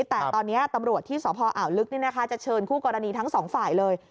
แต่ตอนเนี้ยตำรวจที่สออลึกนี่นะคะจะเชิญคู่กรณีทั้งสองฝ่ายเลย